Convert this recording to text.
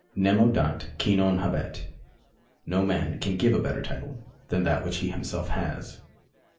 Nemo dat qui non habet. No man can give a better title than that which he himself has.